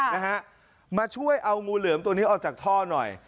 นะฮะมาช่วยเอางูเหลือมตัวนี้ออกจากท่อหน่อย